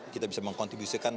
kita bisa mengkontribusikan